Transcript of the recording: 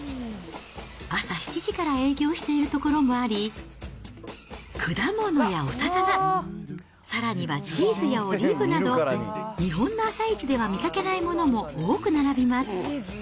朝７時から営業しているところもあり、果物やお魚、さらにはチーズやオリーブなど、日本の朝市では見かけないものも多く並びます。